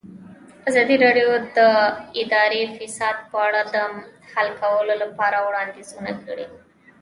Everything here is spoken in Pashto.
ازادي راډیو د اداري فساد په اړه د حل کولو لپاره وړاندیزونه کړي.